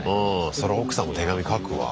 そら奥さんも手紙書くわ。